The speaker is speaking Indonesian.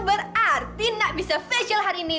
berarti nak bisa facial hari ini